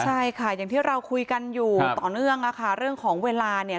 ใช่ค่ะอย่างที่เราคุยกันอยู่ต่อเนื่องอะค่ะเรื่องของเวลาเนี่ย